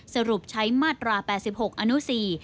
สรุปใช้มาตราแปดสิบหกอนุสี